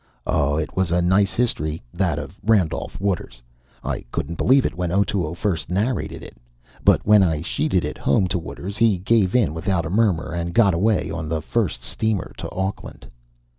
Oh, it was a nice history, that of Randolph Waters. I couldn't believe it when Otoo first narrated it; but when I sheeted it home to Waters he gave in without a murmur, and got away on the first steamer to Aukland.